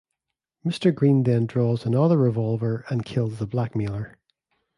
Mr. Green then draws another revolver and kills the blackmailer.